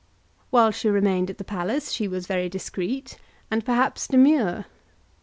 While she remained at the palace she was very discreet, and perhaps demure.